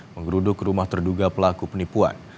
menggeruduk rumah terduga pelaku penipuan